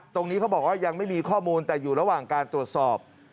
ตรงนี้เขาบอกว่ายังไม่มีข้อมูลแต่อยู่ระหว่างการตรวจสอบ